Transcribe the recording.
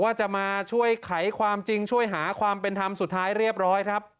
ว่าจะมาช่วยไขความจริงช่วยหาความเป็นธรรมสุดท้ายเรียบร้อยครับ